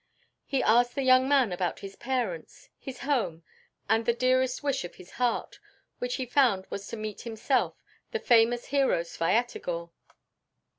He asked the young man about his parents, his home, and the dearest wish of his heart, which he found was to meet himself, the famous hero Svyatogor.